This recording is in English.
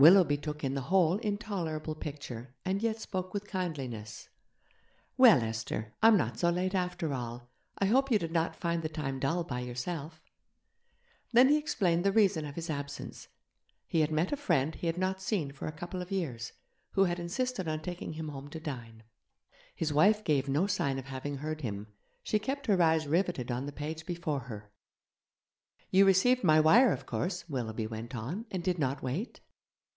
Willoughby took in the whole intolerable picture, and yet spoke with kindliness. 'Well, Esther! I'm not so late, after all. I hope you did not find the time dull by yourself?' Then he explained the reason of his absence. He had met a friend he had not seen for a couple of years, who had insisted on taking him home to dine. His wife gave no sign of having heard him; she kept her eyes riveted on the paper before her. 'You received my wire, of course,' Willoughby went on, 'and did not wait?'